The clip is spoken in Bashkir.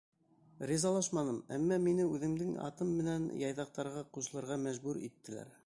Ризалашманым, әммә мине үҙемдең атым менән яйҙаҡтарға ҡушылырға мәжбүр иттеләр.